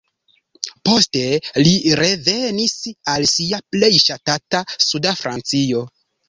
Poste li revenis al sia plej ŝatata suda Francio.